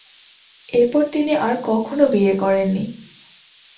এরপর তিনি আর কখনও বিয়ে করেননি।